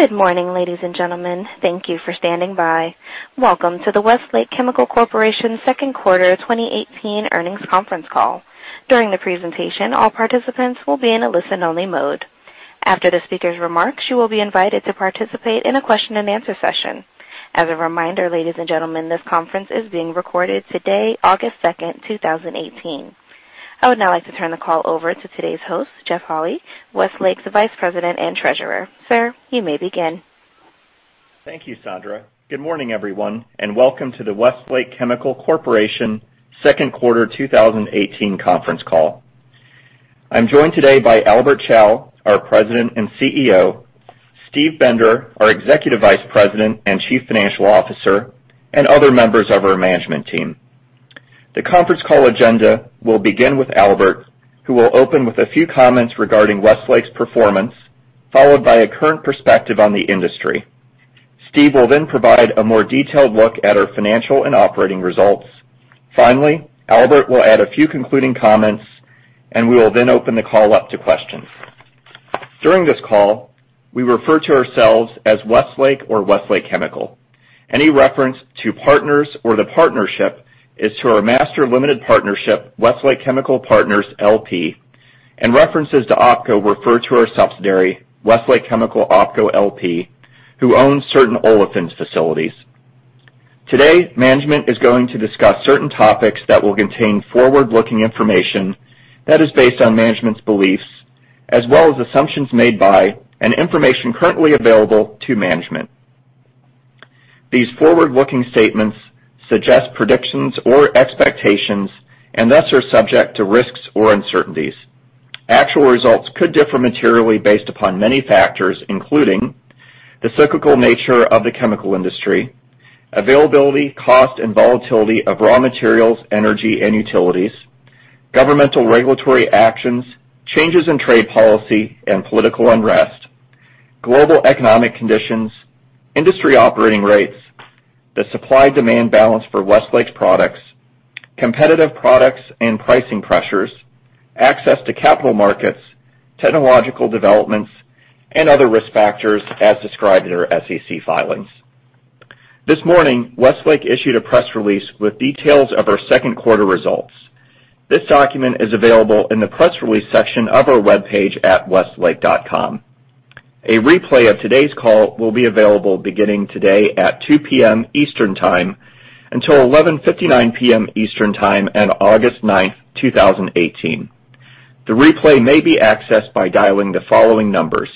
Good morning, ladies and gentlemen. Thank you for standing by. Welcome to the Westlake Chemical Corporation second quarter 2018 earnings conference call. During the presentation, all participants will be in a listen only mode. After the speaker's remarks, you will be invited to participate in a question and answer session. As a reminder, ladies and gentlemen, this conference is being recorded today, August 2, 2018. I would now like to turn the call over to today's host, Jeff Holy, Westlake's Vice President and Treasurer. Sir, you may begin. Thank you, Sandra. Good morning, everyone, and welcome to the Westlake Chemical Corporation second quarter 2018 conference call. I'm joined today by Albert Chao, our President and CEO, Steve Bender, our Executive Vice President and Chief Financial Officer, and other members of our management team. The conference call agenda will begin with Albert, who will open with a few comments regarding Westlake's performance, followed by a current perspective on the industry. Steve will then provide a more detailed look at our financial and operating results. Finally, Albert will add a few concluding comments, and we will then open the call up to questions. During this call, we refer to ourselves as Westlake or Westlake Chemical. Any reference to partners or the partnership is to our master limited partnership, Westlake Chemical Partners LP, and references to OpCo refer to our subsidiary, Westlake Chemical OpCo LP, who owns certain olefins facilities. Today, management is going to discuss certain topics that will contain forward-looking information that is based on management's beliefs, as well as assumptions made by and information currently available to management. These forward-looking statements suggest predictions or expectations and thus are subject to risks or uncertainties. Actual results could differ materially based upon many factors, including the cyclical nature of the chemical industry; availability, cost, and volatility of raw materials, energy and utilities; governmental regulatory actions; changes in trade policy and political unrest; global economic conditions; industry operating rates; the supply-demand balance for Westlake's products; competitive products and pricing pressures; access to capital markets; technological developments; and other risk factors as described in our SEC filings. This morning, Westlake issued a press release with details of our second quarter results. This document is available in the press release section of our webpage at westlake.com. A replay of today's call will be available beginning today at 2:00 P.M. Eastern Time until 11:59 P.M. Eastern Time on August ninth, 2018. The replay may be accessed by dialing the following numbers.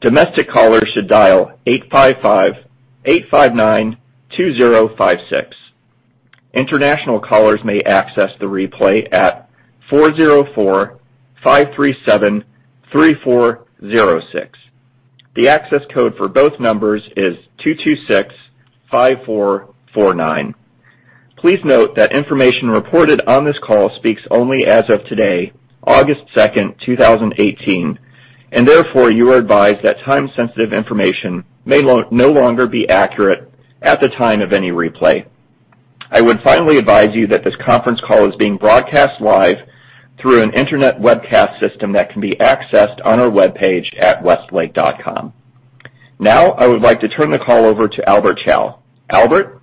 Domestic callers should dial 855-859-2056. International callers may access the replay at 404-537-3406. The access code for both numbers is 2265449. Please note that information reported on this call speaks only as of today, August second, 2018, and therefore you are advised that time sensitive information may no longer be accurate at the time of any replay. I would finally advise you that this conference call is being broadcast live through an internet webcast system that can be accessed on our webpage at westlake.com. Now, I would like to turn the call over to Albert Chao. Albert?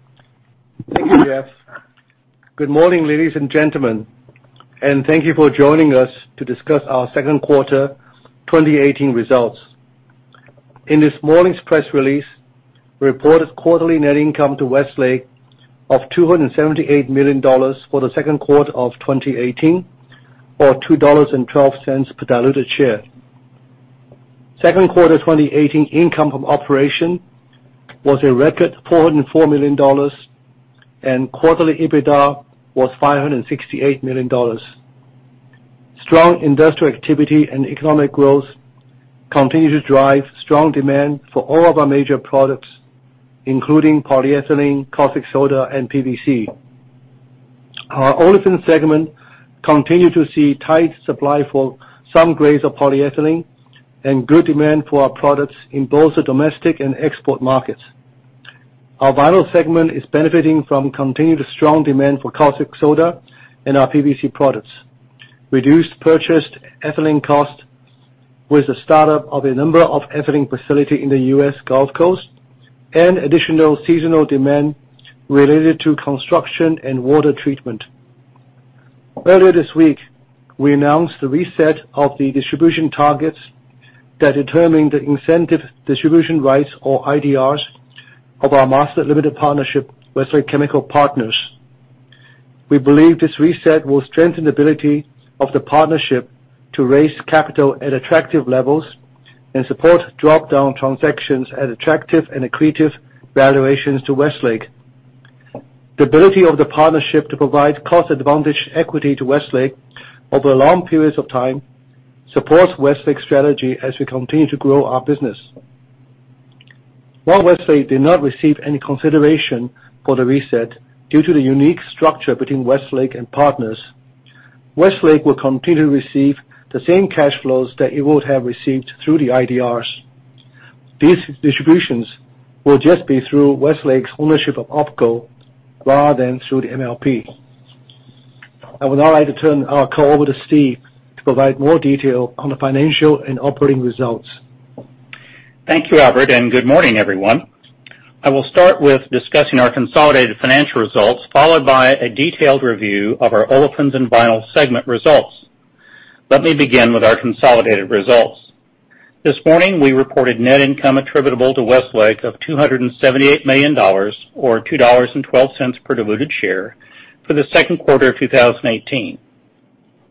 Thank you, Jeff. Good morning, ladies and gentlemen, and thank you for joining us to discuss our second quarter 2018 results. In this morning's press release, we reported quarterly net income to Westlake of $278 million for the second quarter of 2018, or $2.12 per diluted share. Second quarter 2018 income from operation was a record $404 million, and quarterly EBITDA was $568 million. Strong industrial activity and economic growth continue to drive strong demand for all of our major products, including polyethylene, caustic soda, and PVC. Our Olefins segment continued to see tight supply for some grades of polyethylene and good demand for our products in both the domestic and export markets. Our Vinyls segment is benefiting from continued strong demand for caustic soda and our PVC products, reduced purchased ethylene cost with the startup of a number of ethylene facility in the U.S. Gulf Coast, and additional seasonal demand related to construction and water treatment. Earlier this week, we announced the reset of the distribution targets that determine the incentive distribution rights, or IDRs, of our master limited partnership, Westlake Chemical Partners. We believe this reset will strengthen the ability of the partnership to raise capital at attractive levels and support drop-down transactions at attractive and accretive valuations to Westlake. The ability of the partnership to provide cost advantage equity to Westlake over long periods of time supports Westlake's strategy as we continue to grow our business. While Westlake did not receive any consideration for the reset due to the unique structure between Westlake and partners, Westlake will continue to receive the same cash flows that it would have received through the IDRs. These distributions will just be through Westlake's ownership of OpCo rather than through the MLP. I would now like to turn our call over to Steve to provide more detail on the financial and operating results. Thank you, Albert, good morning everyone. I will start with discussing our consolidated financial results, followed by a detailed review of our Olefins and Vinyls segment results. Let me begin with our consolidated results. This morning, we reported net income attributable to Westlake of $278 million, or $2.12 per diluted share for the second quarter of 2018,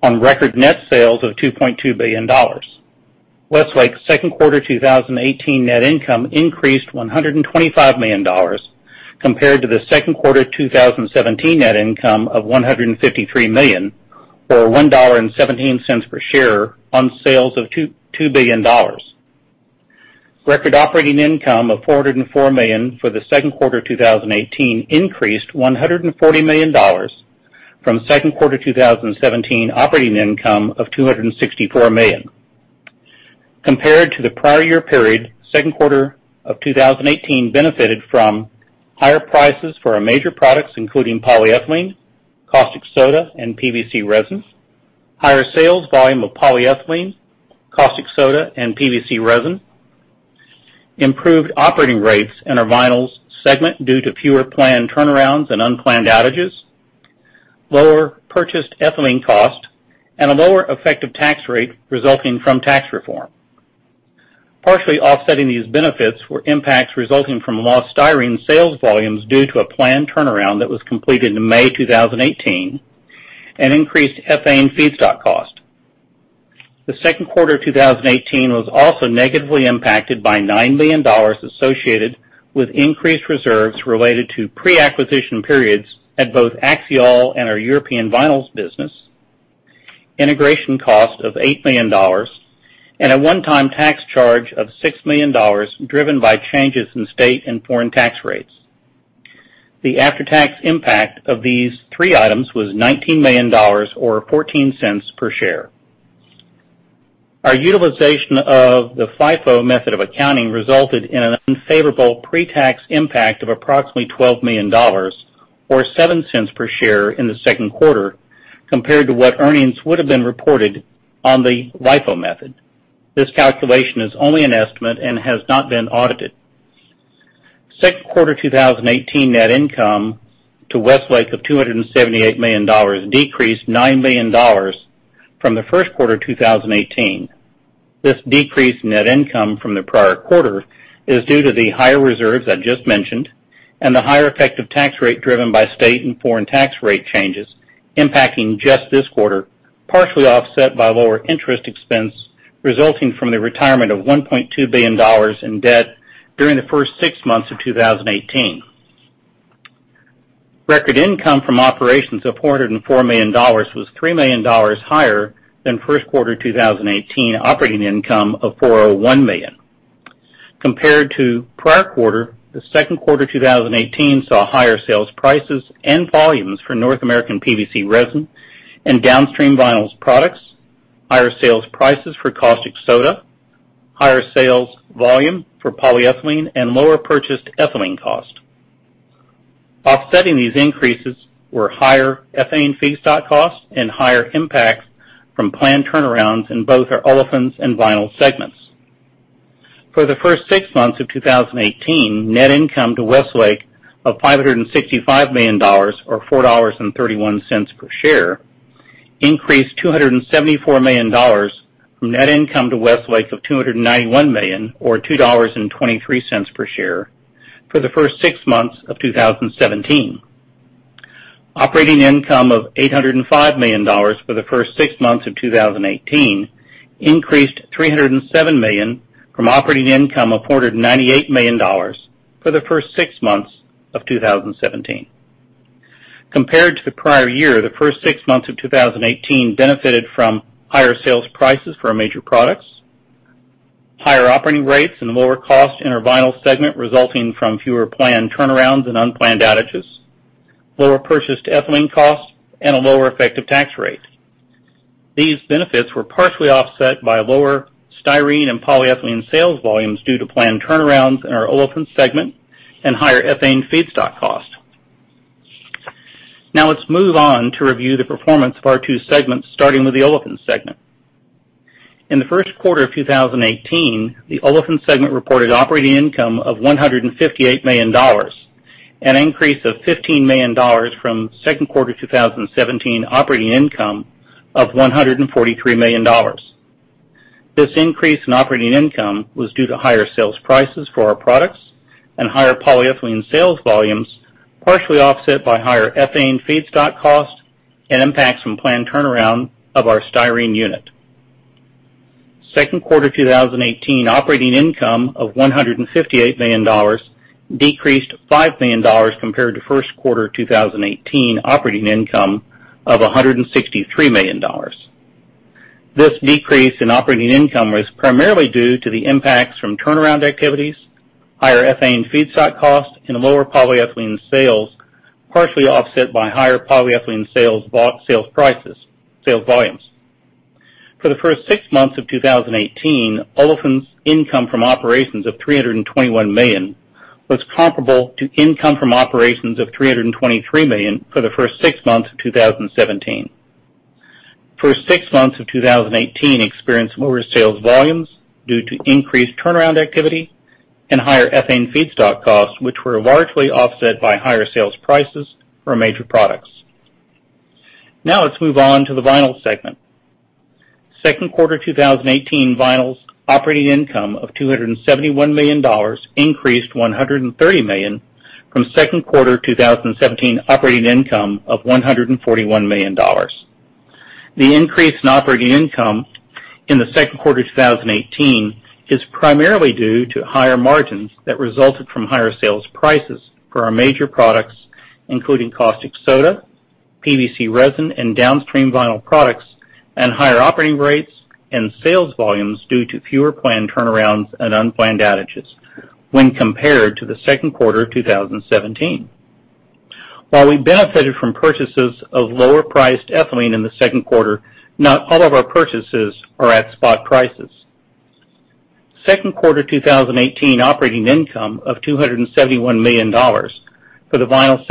on record net sales of $2.2 billion. Westlake second quarter 2018 net income increased $125 million compared to the second quarter 2017 net income of $153 million, or $1.17 per share on sales of $2 billion. Record operating income of $404 million for the second quarter 2018 increased $140 million from second quarter 2017 operating income of $264 million. Compared to the prior year period, second quarter of 2018 benefited from higher prices for our major products, including polyethylene, caustic soda, and PVC resin, higher sales volume of polyethylene, caustic soda, and PVC resin, improved operating rates in our Vinyls segment due to fewer planned turnarounds and unplanned outages, lower purchased ethylene cost, and a lower effective tax rate resulting from tax reform. Partially offsetting these benefits were impacts resulting from lost styrene sales volumes due to a planned turnaround that was completed in May 2018, and increased ethane feedstock cost. Second quarter 2018 was also negatively impacted by $9 million associated with increased reserves related to pre-acquisition periods at both Axiall and our European Vinyls business, integration cost of $8 million, and a one-time tax charge of $6 million, driven by changes in state and foreign tax rates. The after-tax impact of these three items was $19 million, or $0.14 per share. Our utilization of the FIFO method of accounting resulted in an unfavorable pre-tax impact of approximately $12 million, or $0.07 per share in the second quarter, compared to what earnings would have been reported on the LIFO method. This calculation is only an estimate and has not been audited. Second quarter 2018 net income to Westlake of $278 million decreased $9 million from the first quarter 2018. This decrease in net income from the prior quarter is due to the higher reserves I just mentioned, and the higher effective tax rate driven by state and foreign tax rate changes impacting just this quarter, partially offset by lower interest expense resulting from the retirement of $1.2 billion in debt during the first six months of 2018. Record income from operations of $404 million was $3 million higher than first quarter 2018 operating income of $401 million. Compared to prior quarter, the second quarter 2018 saw higher sales prices and volumes for North American PVC resin and downstream Vinyls products, higher sales prices for caustic soda, higher sales volume for polyethylene, and lower purchased ethylene cost. Offsetting these increases were higher ethane feedstock costs and higher impacts from planned turnarounds in both our Olefins and Vinyls segments. For the first six months of 2018, net income to Westlake of $565 million or $4.31 per share, increased $274 million from net income to Westlake of $291 million or $2.23 per share for the first six months of 2017. Operating income of $805 million for the first six months of 2018 increased $307 million from operating income of $498 million for the first six months of 2017. Compared to the prior year, the first six months of 2018 benefited from higher sales prices for our major products, higher operating rates, and lower costs in our Vinyls segment resulting from fewer planned turnarounds and unplanned outages, lower purchased ethylene costs, and a lower effective tax rate. These benefits were partially offset by lower styrene and polyethylene sales volumes due to planned turnarounds in our Olefins segment and higher ethane feedstock cost. Now, let's move on to review the performance of our two segments, starting with the Olefins segment. In the second quarter of 2018, the Olefins segment reported operating income of $158 million, an increase of $15 million from second quarter 2017 operating income of $143 million. This increase in operating income was due to higher sales prices for our products and higher polyethylene sales volumes, partially offset by higher ethane feedstock costs and impacts from planned turnaround of our styrene unit. Second quarter 2018 operating income of $158 million decreased $5 million compared to first quarter 2018 operating income of $163 million. This decrease in operating income was primarily due to the impacts from turnaround activities, higher ethane feedstock cost, and lower polyethylene sales, partially offset by higher polyethylene sales prices, sales volumes. For the first six months of 2018, Olefins income from operations of $321 million was comparable to income from operations of $323 million for the first six months of 2017. First six months of 2018 experienced lower sales volumes due to increased turnaround activity and higher ethane feedstock costs, which were largely offset by higher sales prices for our major products. Now let's move on to the Vinyls segment. Second quarter 2018, Vinyls operating income of $271 million increased $130 million from second quarter 2017 operating income of $141 million. The increase in operating income in the second quarter 2018 is primarily due to higher margins that resulted from higher sales prices for our major products, including caustic soda, PVC resin, and downstream vinyl products, and higher operating rates and sales volumes due to fewer planned turnarounds and unplanned outages when compared to the second quarter 2017. While we benefited from purchases of lower priced ethylene in the second quarter, not all of our purchases are at spot prices. Second quarter 2018 operating income of $271 million for the Vinyls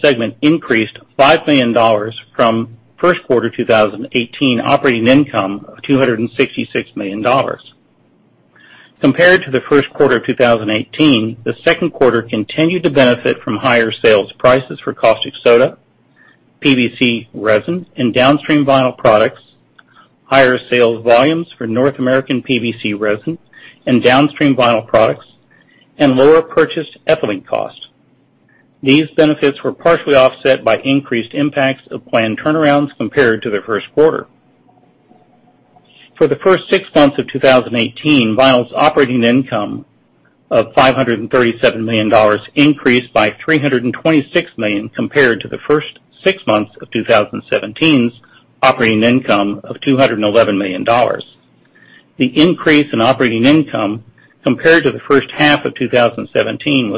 segment increased $5 million from first quarter 2018 operating income of $266 million. Compared to the first quarter of 2018, the second quarter continued to benefit from higher sales prices for caustic soda, PVC resin, and downstream vinyl products, higher sales volumes for North American PVC resin and downstream vinyl products, and lower purchased ethylene cost. These benefits were partially offset by increased impacts of planned turnarounds compared to the first quarter. For the first six months of 2018, Vinyls operating income of $537 million increased by $326 million compared to the first six months of 2017's operating income of $211 million. The increase in operating income compared to the first half of 2017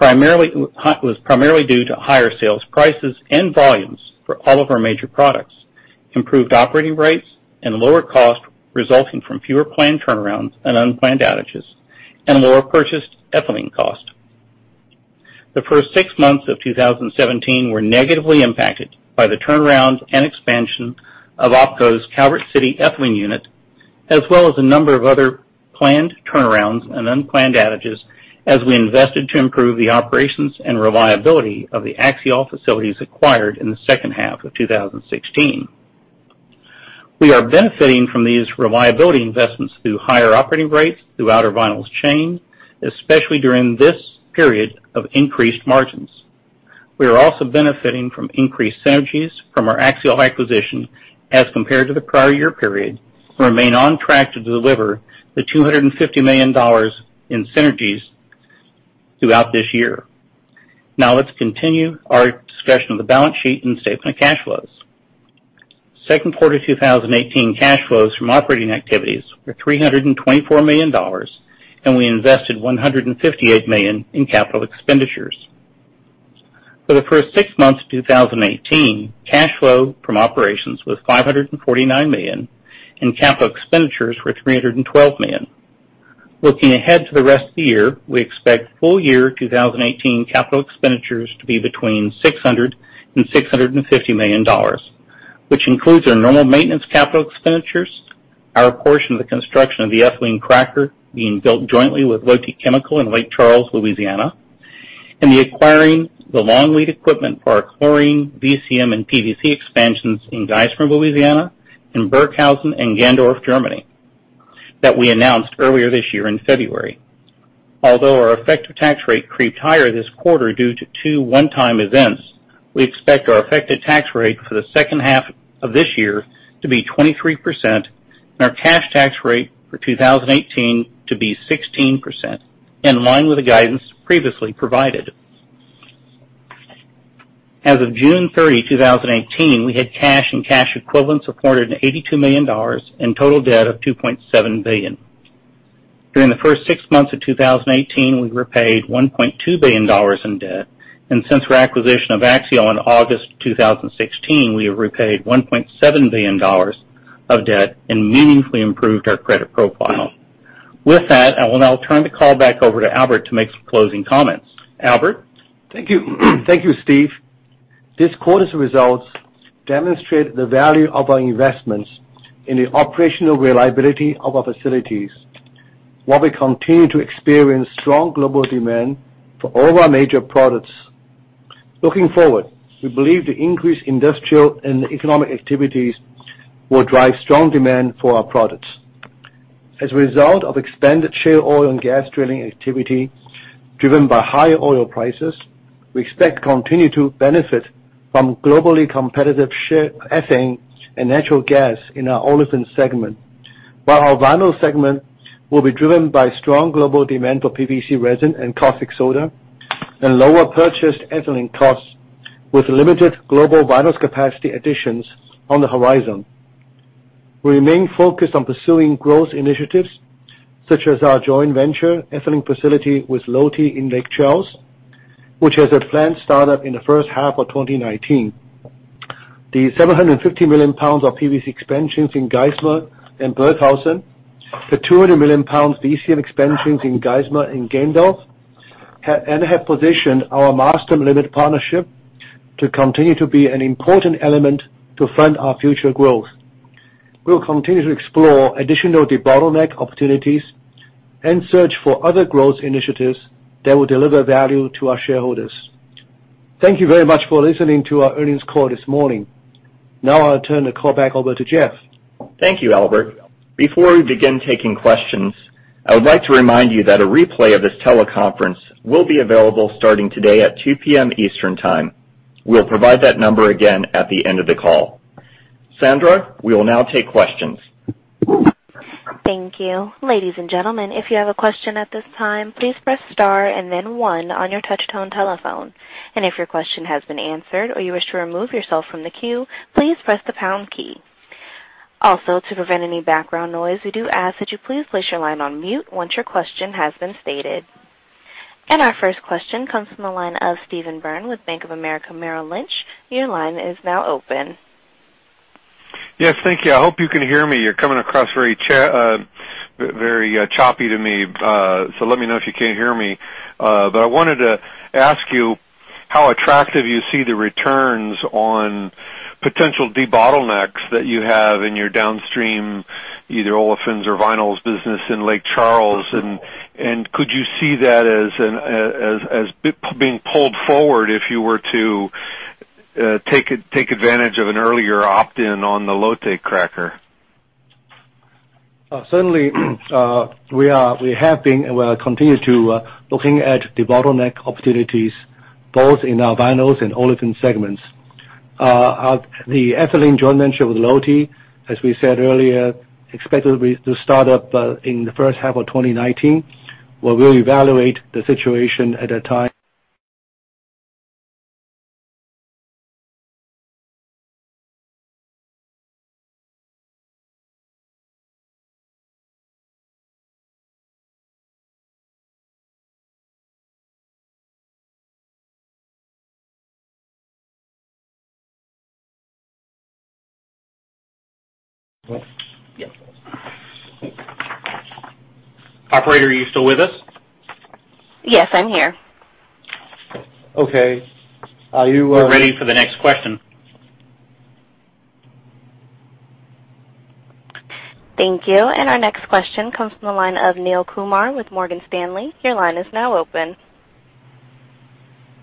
was primarily due to higher sales prices and volumes for all of our major products, improved operating rates, and lower cost resulting from fewer planned turnarounds and unplanned outages, and lower purchased ethylene cost. The first six months of 2017 were negatively impacted by the turnarounds and expansion of OpCo's Calvert City ethylene unit, as well as a number of other planned turnarounds and unplanned outages as we invested to improve the operations and reliability of the Axiall facilities acquired in the second half of 2016. We are benefiting from these reliability investments through higher operating rates throughout our Vinyls chain, especially during this period of increased margins. We are also benefiting from increased synergies from our Axiall acquisition as compared to the prior year period, and remain on track to deliver the $250 million in synergies throughout this year. Now let's continue our discussion of the balance sheet and statement of cash flows. Second quarter 2018 cash flows from operating activities were $324 million, and we invested $158 million in capital expenditures. For the first six months of 2018, cash flow from operations was $549 million, and capital expenditures were $312 million. Looking ahead to the rest of the year, we expect full year 2018 capital expenditures to be between $600 million and $650 million, which includes our normal maintenance capital expenditures, our portion of the construction of the ethylene cracker being built jointly with Lotte Chemical in Lake Charles, Louisiana, and the acquiring the long lead equipment for our chlorine, VCM, and PVC expansions in Geismar, Louisiana, and Burghausen and Gendorf, Germany, that we announced earlier this year in February. Although our effective tax rate creeped higher this quarter due to two one-time events, we expect our effective tax rate for the second half of this year to be 23%, and our cash tax rate for 2018 to be 16%, in line with the guidance previously provided. As of June 30, 2018, we had cash and cash equivalents of $482 million and total debt of $2.7 billion. During the first six months of 2018, we repaid $1.2 billion in debt, and since our acquisition of Axiall in August 2016, we have repaid $1.7 billion of debt and meaningfully improved our credit profile. With that, I will now turn the call back over to Albert to make some closing comments. Albert? Thank you, Steve. This quarter's results demonstrate the value of our investments in the operational reliability of our facilities while we continue to experience strong global demand for all of our major products. Looking forward, we believe the increased industrial and economic activities will drive strong demand for our products. As a result of expanded shale oil and gas drilling activity driven by higher oil prices, we expect to continue to benefit from globally competitive shale ethane and natural gas in our Olefins segment, while our Vinyls segment will be driven by strong global demand for PVC resin and caustic soda and lower purchased ethylene costs with limited global vinyls capacity additions on the horizon. We remain focused on pursuing growth initiatives, such as our joint venture ethylene facility with Lotte in Lake Charles which has a planned startup in the first half of 2019. The 750 million pounds of PVC expansions in Geismar and Burghausen, the 200 million pounds VCM expansions in Geismar and Gendorf, and have positioned our master limited partnership to continue to be an important element to fund our future growth. We'll continue to explore additional debottleneck opportunities and search for other growth initiatives that will deliver value to our shareholders. Thank you very much for listening to our earnings call this morning. Now I'll turn the call back over to Jeff. Thank you, Albert. Before we begin taking questions, I would like to remind you that a replay of this teleconference will be available starting today at 2:00 P.M. Eastern Time. We'll provide that number again at the end of the call. Sandra, we will now take questions. Thank you. Ladies and gentlemen, if you have a question at this time, please press star and then one on your touch tone telephone. If your question has been answered or you wish to remove yourself from the queue, please press the pound key. Also, to prevent any background noise, we do ask that you please place your line on mute once your question has been stated. Our first question comes from the line of Steve Byrne with Bank of America Merrill Lynch. Your line is now open. Yes, thank you. I hope you can hear me. You're coming across very choppy to me. Let me know if you can't hear me. I wanted to ask you how attractive you see the returns on potential debottlenecks that you have in your downstream, either olefins or vinyls business in Lake Charles. Could you see that as being pulled forward if you were to take advantage of an earlier opt-in on the Lotte cracker? Certainly, we have been and will continue to looking at debottleneck opportunities both in our vinyls and olefin segments. The ethylene joint venture with Lotte, as we said earlier, expected to start up in the first half of 2019. We'll reevaluate the situation at that time. Operator, are you still with us? Yes, I'm here. Okay. We're ready for the next question. Thank you. Our next question comes from the line of Neel Kumar with Morgan Stanley. Your line is now open.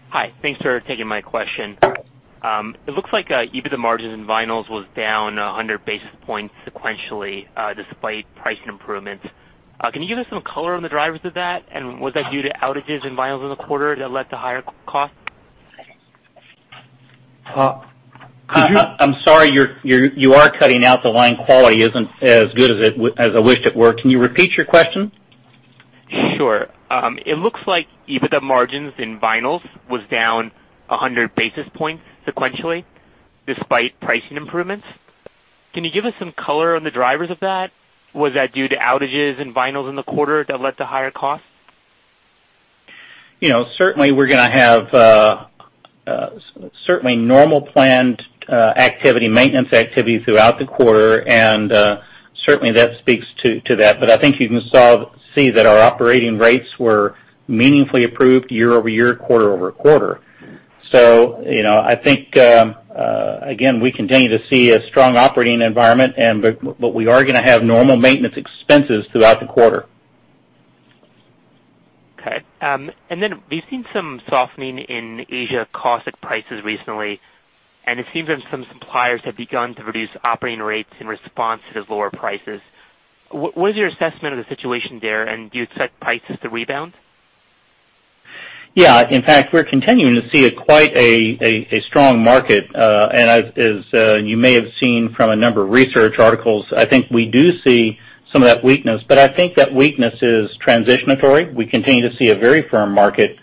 Hi. Thanks for taking my question. It looks like EBITDA margins in vinyls was down 100 basis points sequentially, despite price improvements. Can you give us some color on the drivers of that? Was that due to outages in vinyls in the quarter that led to higher costs? I'm sorry, you are cutting out. The line quality isn't as good as I wish it were. Can you repeat your question? Sure. It looks like EBITDA margins in vinyls was down 100 basis points sequentially, despite pricing improvements. Can you give us some color on the drivers of that? Was that due to outages in vinyls in the quarter that led to higher costs? Certainly we're going to have normal planned activity, maintenance activity throughout the quarter, and certainly that speaks to that. I think you can see that our operating rates were meaningfully improved year-over-year, quarter-over-quarter. I think, again, we continue to see a strong operating environment, but we are going to have normal maintenance expenses throughout the quarter. Okay. We've seen some softening in Asia caustic prices recently, and it seems that some suppliers have begun to reduce operating rates in response to the lower prices. What is your assessment of the situation there, and do you expect prices to rebound? Yeah. In fact, we're continuing to see quite a strong market. As you may have seen from a number of research articles, I think we do see some of that weakness. I think that weakness is transitory. We continue to see a very firm market.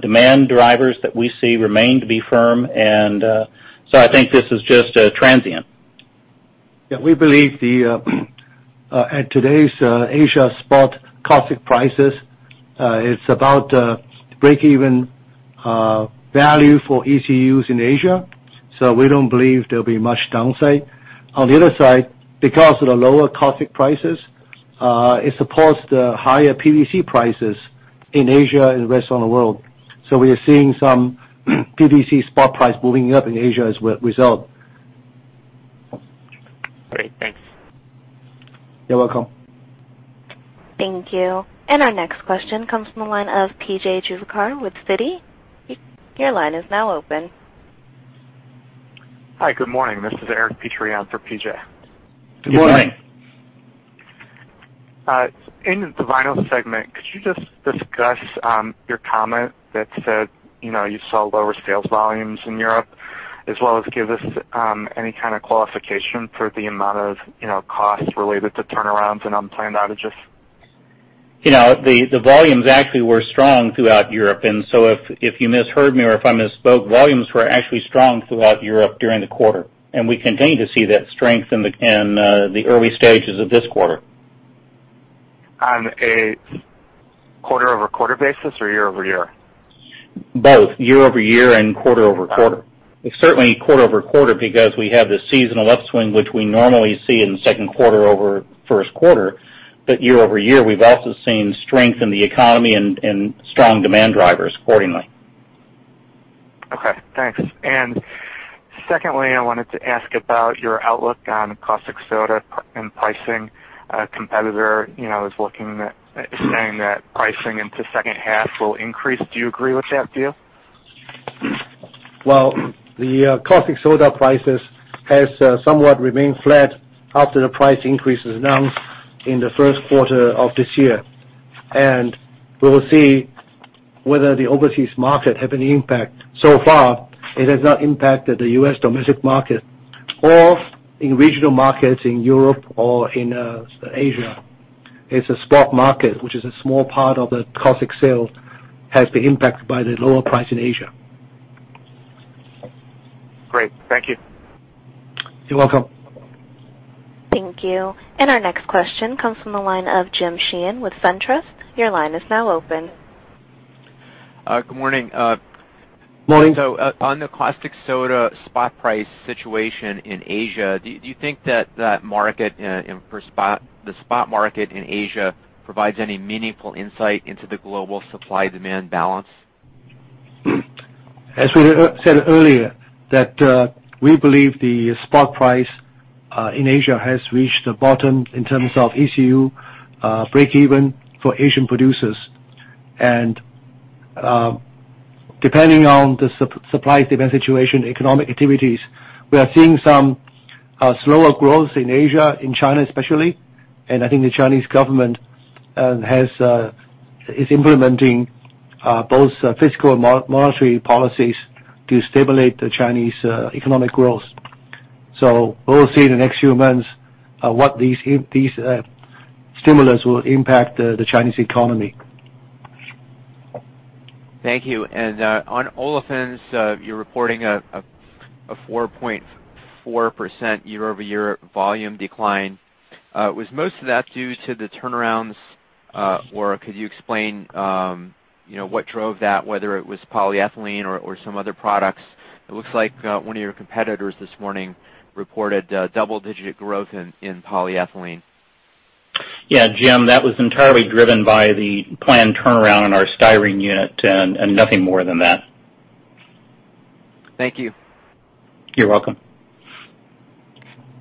Demand drivers that we see remain to be firm. I think this is just a transient. Yeah, we believe at today's Asia spot caustic prices, it's about breakeven value for ECUs in Asia, so we don't believe there'll be much downside. On the other side, because of the lower caustic prices, it supports the higher PVC prices in Asia and the rest of the world. We are seeing some PVC spot price moving up in Asia as a result. Great. Thanks. You're welcome. Thank you. Our next question comes from the line of P.J. Juvekar with Citi. Your line is now open. Hi, good morning. This is Eric Petrie for P.J. Good morning. Good morning. In the Vinyls segment, could you just discuss your comment that said you saw lower sales volumes in Europe as well as give us any kind of qualification for the amount of costs related to turnarounds and unplanned outages? The volumes actually were strong throughout Europe, and so if you misheard me or if I misspoke, volumes were actually strong throughout Europe during the quarter, and we continue to see that strength in the early stages of this quarter. On a quarter-over-quarter basis or year-over-year? Both. Year-over-year and quarter-over-quarter. Certainly quarter-over-quarter because we have the seasonal upswing, which we normally see in the second quarter over first quarter. Year-over-year, we've also seen strength in the economy and strong demand drivers accordingly. Okay, thanks. Secondly, I wanted to ask about your outlook on caustic soda and pricing. A competitor is saying that pricing into second half will increase. Do you agree with that view? Well, the caustic soda prices has somewhat remained flat after the price increase is announced in the first quarter of this year. We will see whether the overseas market have any impact. So far, it has not impacted the U.S. domestic market or in regional markets in Europe or in Asia. It's a spot market, which is a small part of the caustic sales, has been impacted by the lower price in Asia. Great. Thank you. You're welcome. Thank you. Our next question comes from the line of James Sheehan with SunTrust. Your line is now open. Good morning. Morning. On the caustic soda spot price situation in Asia, do you think that the spot market in Asia provides any meaningful insight into the global supply-demand balance? As we said earlier, that we believe the spot price in Asia has reached the bottom in terms of ECU breakeven for Asian producers. Depending on the supply-demand situation, economic activities, we are seeing some slower growth in Asia, in China especially. I think the Chinese government is implementing both fiscal and monetary policies to stimulate the Chinese economic growth. We'll see in the next few months what these stimulus will impact the Chinese economy. Thank you. On olefins, you're reporting a 4.4% year-over-year volume decline. Was most of that due to the turnarounds, or could you explain what drove that, whether it was polyethylene or some other products? It looks like one of your competitors this morning reported double-digit growth in polyethylene. Yeah, Jim, that was entirely driven by the planned turnaround in our styrene unit and nothing more than that. Thank you. You're welcome.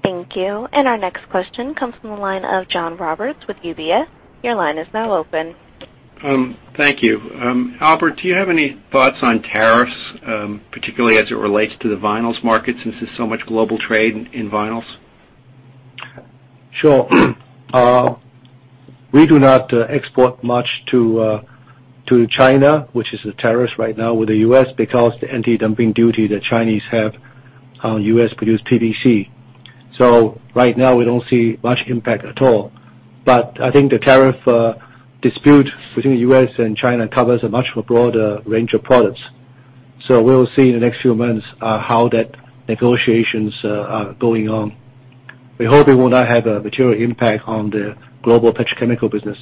Thank you. Our next question comes from the line of John Roberts with UBS. Your line is now open. Thank you. Albert, do you have any thoughts on tariffs, particularly as it relates to the vinyls market since there's so much global trade in vinyls? Sure. We do not export much to China, which is the tariffs right now with the U.S. because the anti-dumping duty the Chinese have on U.S.-produced PVC. Right now we don't see much impact at all. I think the tariff dispute between the U.S. and China covers a much broader range of products. We'll see in the next few months how that negotiations are going on. We hope it will not have a material impact on the global petrochemical business.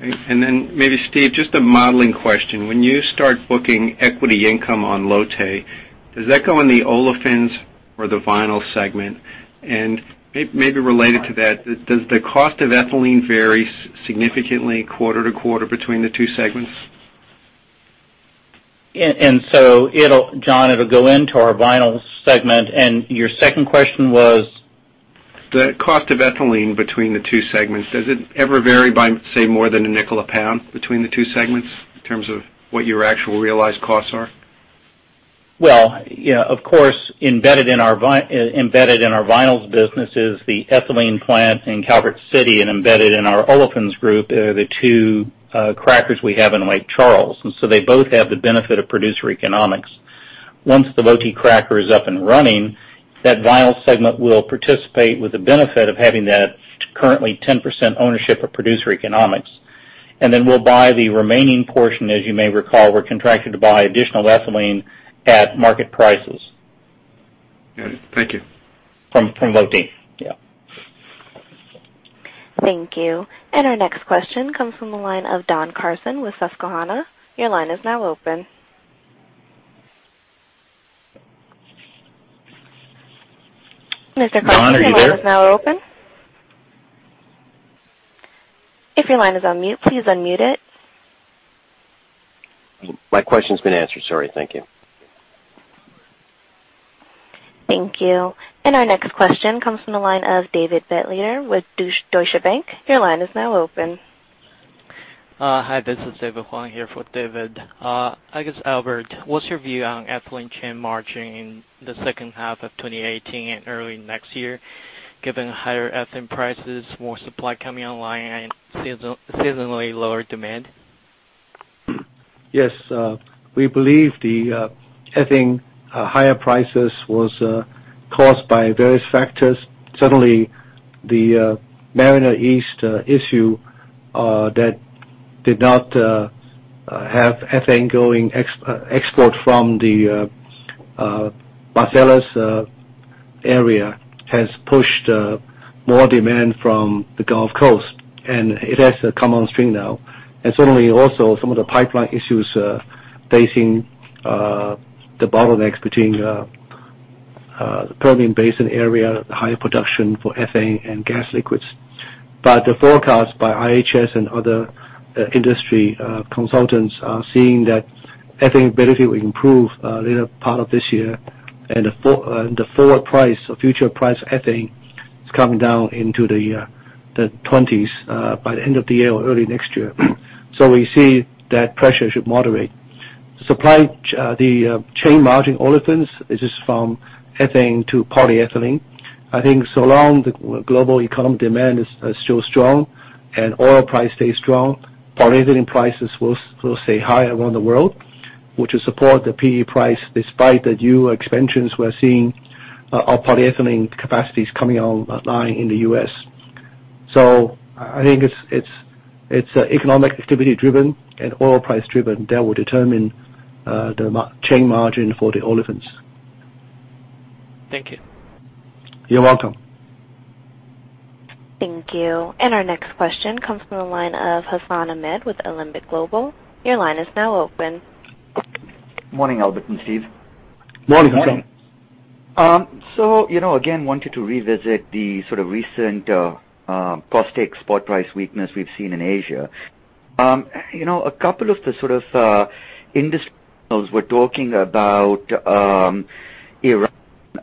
Maybe Steve, just a modeling question. When you start booking equity income on Lotte, does that go in the Olefins or the Vinyls segment? Maybe related to that, does the cost of ethylene vary significantly quarter-to-quarter between the two segments? John, it'll go into our Vinyls segment. Your second question was? The cost of ethylene between the two segments. Does it ever vary by, say, more than $0.05 a pound between the two segments in terms of what your actual realized costs are? Well, of course, embedded in our vinyls business is the ethylene plant in Calvert City, and embedded in our olefins group are the two crackers we have in Lake Charles, and so they both have the benefit of producer economics. Once the Lotte cracker is up and running, that vinyl segment will participate with the benefit of having that currently 10% ownership of producer economics. Then we'll buy the remaining portion, as you may recall, we're contracted to buy additional ethylene at market prices. Good. Thank you. From Lotte. Yeah. Thank you. Our next question comes from the line of Don Carson with Susquehanna. Your line is now open. Mr. Carson- Don, are you there? Your line is now open. If your line is on mute, please unmute it. My question's been answered. Sorry. Thank you. Thank you. Our next question comes from the line of David Begleiter with Deutsche Bank. Your line is now open. Hi, this is David Huang here for David. I guess, Albert, what's your view on ethylene chain margin in the second half of 2018 and early next year, given higher ethane prices, more supply coming online, and seasonally lower demand? Yes. We believe the ethane higher prices was caused by various factors. Certainly, the Mariner East issue that did not have ethane going export from the Marcellus Area has pushed more demand from the Gulf Coast, and it has come on stream now. Certainly also, some of the pipeline issues facing the bottlenecks between the Permian Basin area, high production for ethane and gas liquids. The forecast by IHS and other industry consultants are seeing that ethane availability will improve later part of this year, and the forward price or future price of ethane is coming down into the 20s by the end of the year or early next year. We see that pressure should moderate. Supply, the chain margin olefins is just from ethane to polyethylene. I think so long the global economy demand is still strong and oil price stays strong, polyethylene prices will stay high around the world. Which will support the PE price despite the new expansions we're seeing of polyethylene capacities coming online in the U.S. I think it's economic activity driven and oil price driven that will determine the chain margin for the olefins. Thank you. You're welcome. Thank you. Our next question comes from the line of Hassan Ahmed with Alembic Global. Your line is now open. Morning, Albert and Steve. Morning, Hassan. Again, wanted to revisit the sort of recent caustic spot price weakness we've seen in Asia. A couple of the sort of industrials were talking about Iran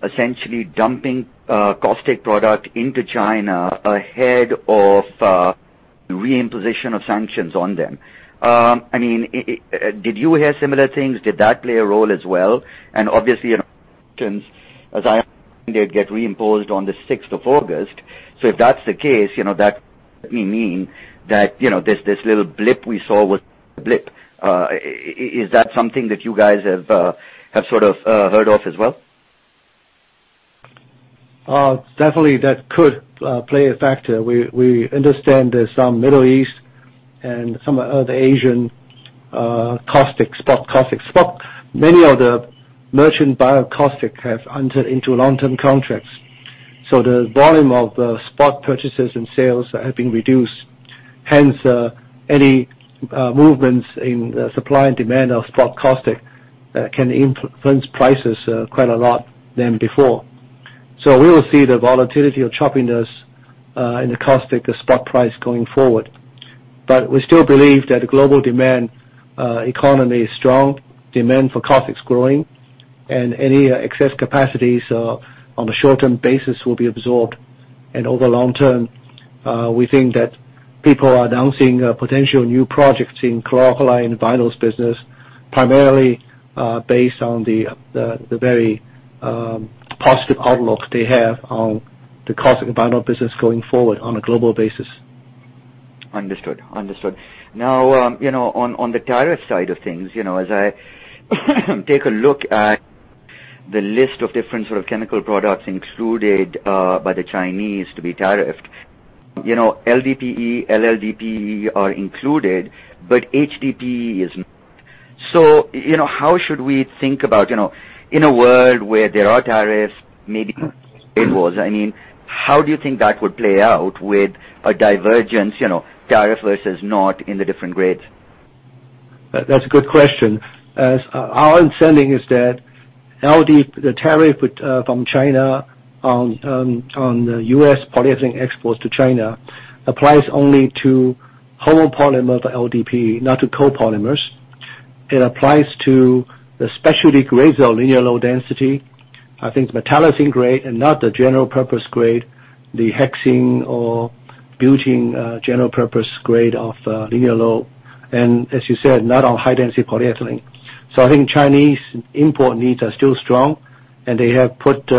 essentially dumping caustic product into China ahead of reimposition of sanctions on them. Did you hear similar things? Did that play a role as well? Obviously, in sanctions, as I get reimposed on the 6th of August. If that's the case, that may mean that this little blip we saw was a blip. Is that something that you guys have sort of heard of as well? Definitely that could play a factor. We understand there's some Middle East and some other Asian caustic, spot caustic. Many of the merchant buyer caustic have entered into long-term contracts. The volume of the spot purchases and sales have been reduced. Any movements in the supply and demand of spot caustic can influence prices quite a lot than before. We will see the volatility or choppiness in the caustic, the spot price going forward. We still believe that the global demand economy is strong, demand for caustic is growing, and any excess capacities on a short-term basis will be absorbed. Over long term, we think that people are announcing potential new projects in chlor-alkali and vinyls business, primarily based on the very positive outlook they have on the caustic vinyl business going forward on a global basis. Understood. On the tariff side of things, as I take a look at the list of different sort of chemical products included by the Chinese to be tariffed, LDPE, LLDPE are included, but HDPE is not. How should we think about, in a world where there are tariffs, maybe it was. How do you think that would play out with a divergence, tariff versus not in the different grades? That's a good question. Our understanding is that the tariff from China on the U.S. polyethylene exports to China applies only to homopolymer for LDPE, not to copolymers. It applies to especially grades of linear low density. I think metallocene grade and not the general purpose grade, the hexene or butene general purpose grade of linear low. As you said, not on high-density polyethylene. I think Chinese import needs are still strong, and they have put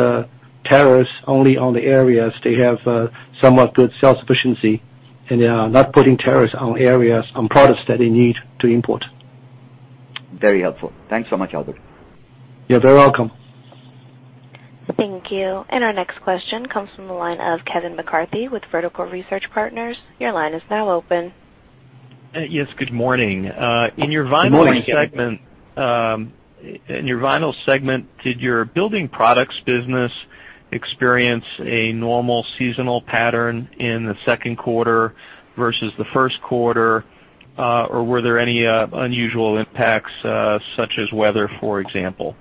tariffs only on the areas they have somewhat good self-sufficiency, and they are not putting tariffs on areas, on products that they need to import. Very helpful. Thanks so much, Albert. You're very welcome. Thank you. Our next question comes from the line of Kevin McCarthy with Vertical Research Partners. Your line is now open. Yes, good morning. Good morning, Kevin. In your vinyl segment, did your building products business experience a normal seasonal pattern in the second quarter versus the first quarter? Or were there any unusual impacts, such as weather, for example?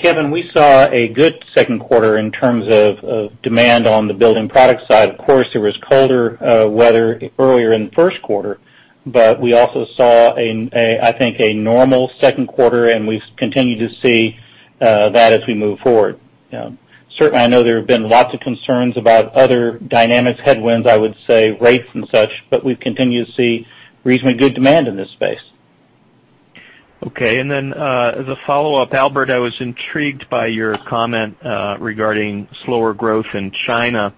Kevin, we saw a good second quarter in terms of demand on the building product side. Of course, there was colder weather earlier in the first quarter. We also saw, I think, a normal second quarter, and we continue to see that as we move forward. Certainly, I know there have been lots of concerns about other dynamics, headwinds, I would say, rates and such, but we've continued to see reasonably good demand in this space. Okay. As a follow-up, Albert, I was intrigued by your comment regarding slower growth in China.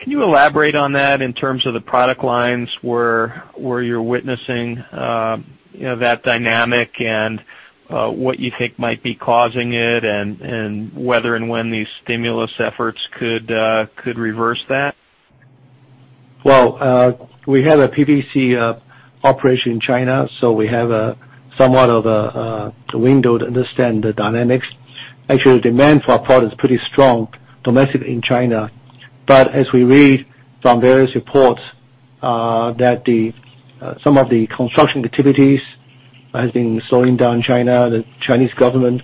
Can you elaborate on that in terms of the product lines where you're witnessing that dynamic and what you think might be causing it and whether when these stimulus efforts could reverse that? Well, we have a PVC operation in China, so we have somewhat of a window to understand the dynamics. Actually, the demand for our product is pretty strong domestically in China. As we read from various reports, some of the construction activities has been slowing down China. The Chinese government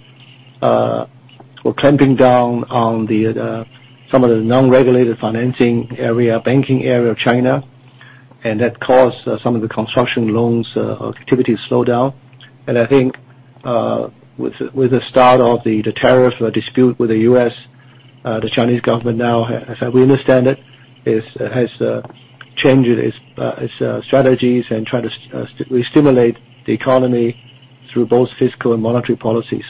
was clamping down on some of the non-regulated financing area, banking area of China, That caused some of the construction loans activity to slow down. I think with the start of the tariff dispute with the U.S., the Chinese government now, as we understand it, has changed its strategies and try to restimulate the economy through both fiscal and monetary policies.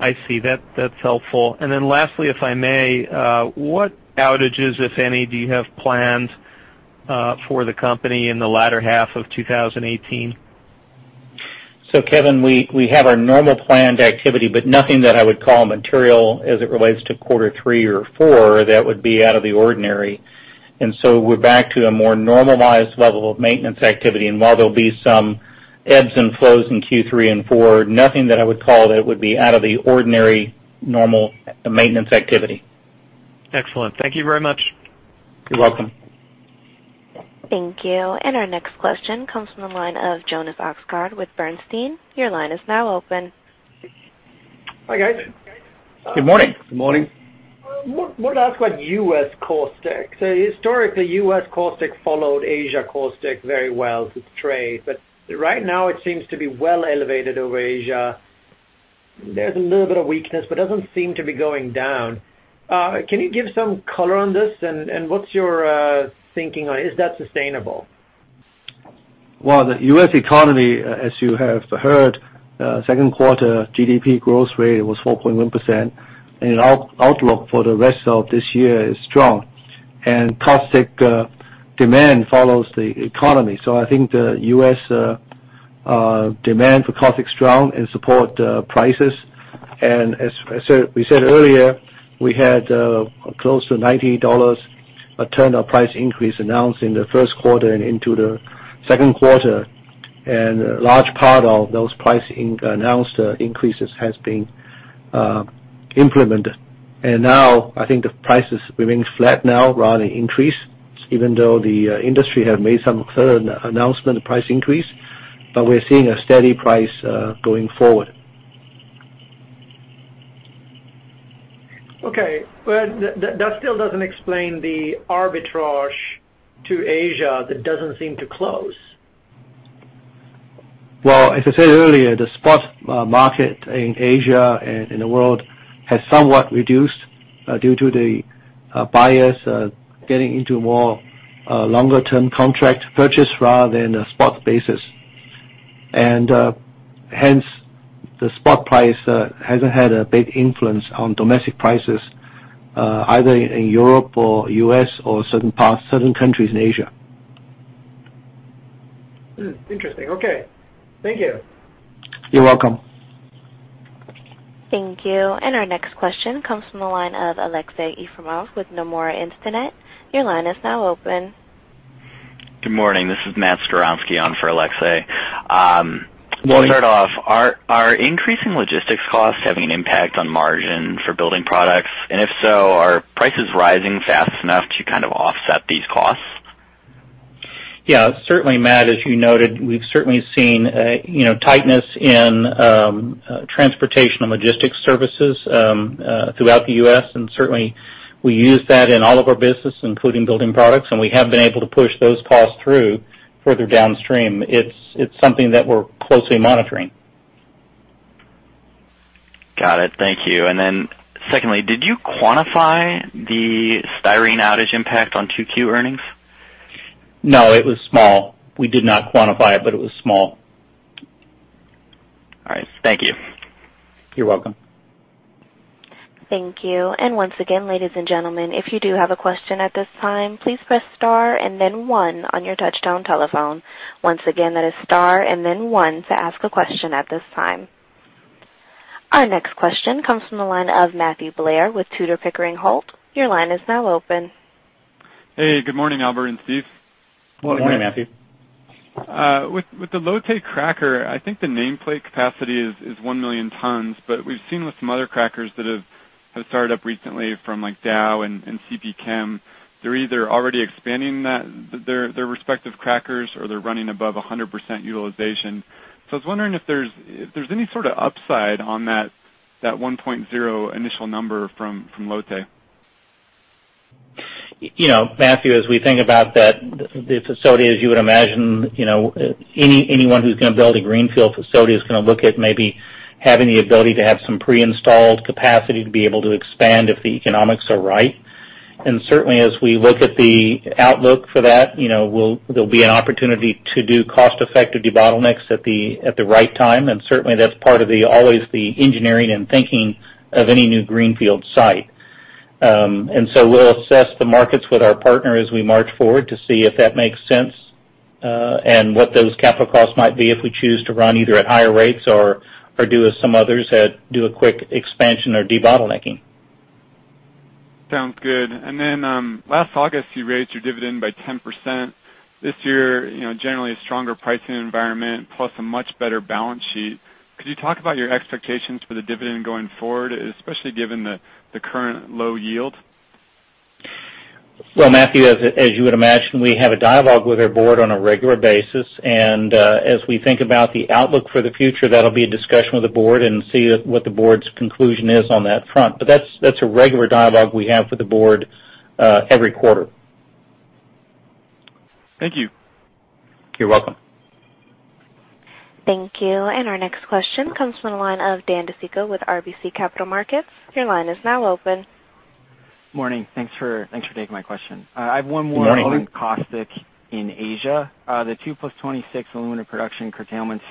I see. That's helpful. Lastly, if I may, what outages, if any, do you have planned for the company in the latter half of 2018? Kevin, we have our normal planned activity, Nothing that I would call material as it relates to quarter three or four that would be out of the ordinary. We're back to a more normalized level of maintenance activity. While there'll be some ebbs and flows in Q3 and four, nothing that I would call that would be out of the ordinary, normal maintenance activity. Excellent. Thank you very much. You're welcome. Thank you. Our next question comes from the line of Jonas Oxgaard with Bernstein. Your line is now open. Hi, guys. Good morning. Good morning. What's your thinking on Is that sustainable? Well, the U.S. economy, as you have heard, second quarter GDP growth rate was 4.1%, Outlook for the rest of this year is strong. Caustic demand follows the economy. I think the U.S. demand for caustic is strong and support prices. As we said earlier, we had close to $90 a ton of price increase announced in the first quarter and into the second quarter. A large part of those price announced increases has been implemented. Now I think the price is remaining flat now rather than increase, even though the industry have made some further announcement price increase, We're seeing a steady price going forward. Okay. Well, that still doesn't explain the arbitrage to Asia that doesn't seem to close. Well, as I said earlier, the spot market in Asia and in the world has somewhat reduced due to the buyers getting into more longer term contract purchase rather than a spot basis. Hence, the spot price hasn't had a big influence on domestic prices, either in Europe or U.S. or certain countries in Asia. Hmm. Interesting. Okay. Thank you. You're welcome. Thank you. Our next question comes from the line of Aleksey Yefremov with Nomura Instinet. Your line is now open. Good morning. This is Matthew Skowronski on for Aleksey. Morning. I'll start off. Are increasing logistics costs having an impact on margin for building products? If so, are prices rising fast enough to kind of offset these costs? Yeah. Certainly, Matt, as you noted, we've certainly seen tightness in transportation and logistics services throughout the U.S. Certainly we use that in all of our business, including building products, we have been able to push those costs through further downstream. It's something that we're closely monitoring. Got it. Thank you. Then secondly, did you quantify the styrene outage impact on 2Q earnings? No, it was small. We did not quantify it, but it was small. All right. Thank you. You're welcome. Thank you. Once again, ladies and gentlemen, if you do have a question at this time, please press star and then one on your touchtone telephone. Once again, that is star and then one to ask a question at this time. Our next question comes from the line of Matthew Blair with Tudor, Pickering Holt. Your line is now open. Hey, good morning, Albert and Steve. Morning. Good morning, Matthew. With the Lotte cracker, I think the nameplate capacity is 1 million tons, but we've seen with some other crackers that have started up recently from Dow and CPChem. They're either already expanding their respective crackers, or they're running above 100% utilization. I was wondering if there's any sort of upside on that 1.0 initial number from Lotte. Matthew, as we think about that, the facility, as you would imagine, anyone who's going to build a greenfield facility is going to look at maybe having the ability to have some pre-installed capacity to be able to expand if the economics are right. Certainly, as we look at the outlook for that, there'll be an opportunity to do cost-effective debottlenecks at the right time, and certainly that's part of always the engineering and thinking of any new greenfield site. We'll assess the markets with our partner as we march forward to see if that makes sense. What those capital costs might be if we choose to run either at higher rates or do as some others had, do a quick expansion or debottlenecking. Sounds good. Last August, you raised your dividend by 10%. This year, generally a stronger pricing environment plus a much better balance sheet. Could you talk about your expectations for the dividend going forward, especially given the current low yield? Well, Matthew, as you would imagine, we have a dialogue with our board on a regular basis, and as we think about the outlook for the future, that'll be a discussion with the board and see what the board's conclusion is on that front. That's a regular dialogue we have with the board every quarter. Thank you. You're welcome. Thank you. Our next question comes from the line of Daniel DiCicco with RBC Capital Markets. Your line is now open. Morning. Thanks for taking my question. Good morning. I have one more on caustic in Asia. The 2+26 aluminum production curtailments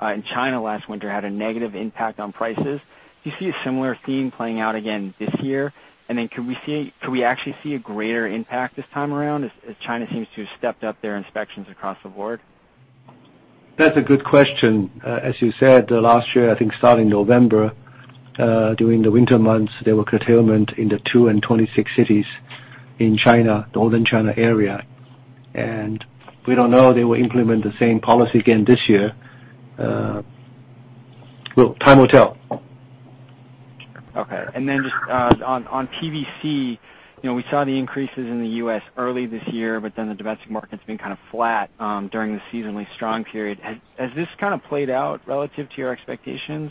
in China last winter had a negative impact on prices. Do you see a similar theme playing out again this year? Could we actually see a greater impact this time around as China seems to have stepped up their inspections across the board? That's a good question. As you said, last year, I think starting November, during the winter months, there were curtailment in the two and 26 cities in China, the Northern China area. We don't know they will implement the same policy again this year. Time will tell. Just on PVC, we saw the increases in the U.S. early this year, the domestic market's been kind of flat during the seasonally strong period. Has this kind of played out relative to your expectations?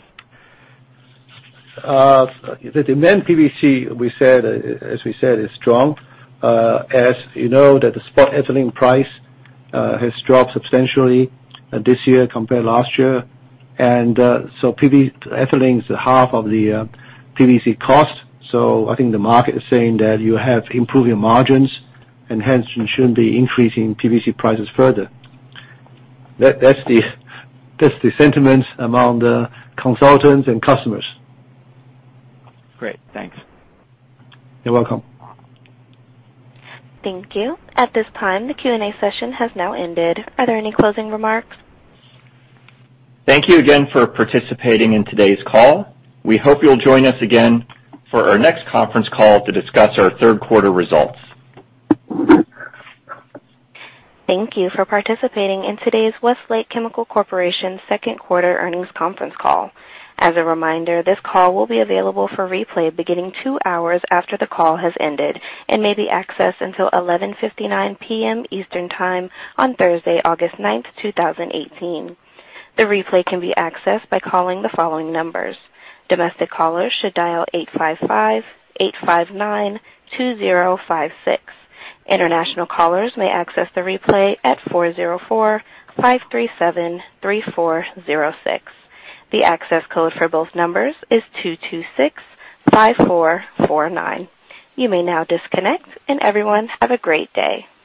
The demand PVC, as we said, is strong. As you know that the spot ethylene price has dropped substantially this year compared to last year. Ethylene is half of the PVC cost. I think the market is saying that you have improving margins and hence you shouldn't be increasing PVC prices further. That's the sentiment among the consultants and customers. Great. Thanks. You're welcome. Thank you. At this time, the Q&A session has now ended. Are there any closing remarks? Thank you again for participating in today's call. We hope you'll join us again for our next conference call to discuss our third quarter results. Thank you for participating in today's Westlake Chemical Corporation second quarter earnings conference call. As a reminder, this call will be available for replay beginning two hours after the call has ended and may be accessed until 11:59 P.M. Eastern Time on Thursday, August 9, 2018. The replay can be accessed by calling the following numbers. Domestic callers should dial 855-859-2056. International callers may access the replay at 404-537-3406. The access code for both numbers is 2265449. You may now disconnect, and everyone, have a great day.